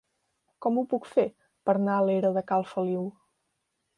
Com ho puc fer per anar a la era de Cal Feliu?